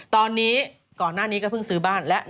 ตอนนี้ก่อนหน้านี้ก็เพิ่งซื้อบ้านแล้ว